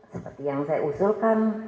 seperti yang saya usulkan